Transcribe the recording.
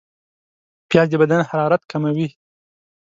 پیاز د بدن حرارت کموي